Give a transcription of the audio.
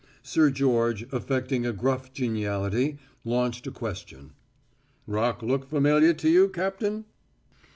Sir George, affecting a gruff geniality, launched a question: "Rock look familiar to you, Captain?"